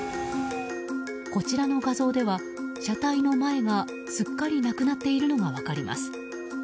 こちらの画像では、車体の前がすっかりなくなっているのが分かります。